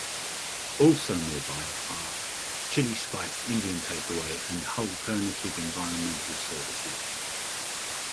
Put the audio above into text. Also nearby are: Chili Spice Indian takeaway and Hullternative environmental services.